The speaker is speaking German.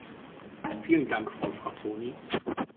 Vielen Dank, Frau Frassoni.